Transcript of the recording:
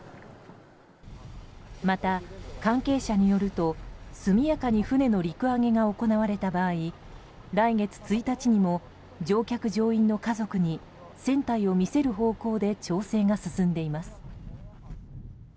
また、関係者によると速やかに船の陸揚げが行われた場合、来月１日も乗客・乗員の家族に船体を見せる方向で調整が進んでいます。